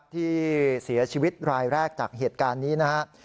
ที่เสียชีวิตรายแรกจากเหตุการณ์นี้นะครับ